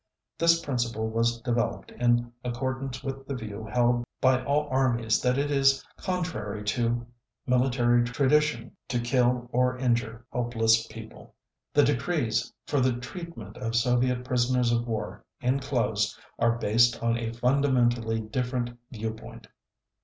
This principle was developed in accordance with the view held by all armies that it is contrary to military tradition to kill or injure helpless people .... The decrees for the treatment of Soviet prisoners of war enclosed are based on a fundamentally different view point."